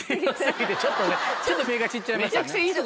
ちょっと目が散っちゃいましたね。